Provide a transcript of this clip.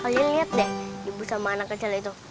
kalian lihat deh ibu sama anak kecil itu